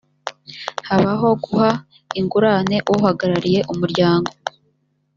habaho guha ingurane uhagarariye umuryango